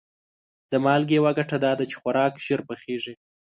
د مالګې یوه ګټه دا ده چې خوراک ژر پخیږي.